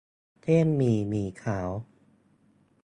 เส้นหมี่ หมี่ขาว